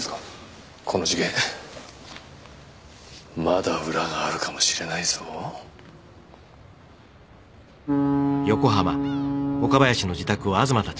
この事件まだ裏があるかもしれないぞハァ